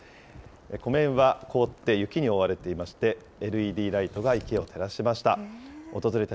湖面は凍って、雪に覆われていまして、ＬＥＤライトが雪を照らしました。